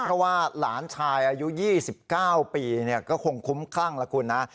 เพราะว่าหลานชายอายุ๒๙ปีก็คงคุ้มคลั่งละคุณนะ